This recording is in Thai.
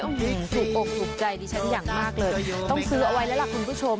ถูกอกถูกใจดิฉันอย่างมากเลยต้องซื้อเอาไว้แล้วล่ะคุณผู้ชม